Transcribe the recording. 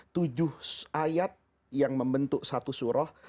tujuh ayat yang membentuk satu surah